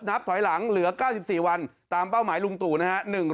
นับถอยหลังเหลือ๙๔วันตามเป้าหมายลุงตู่นะฮะ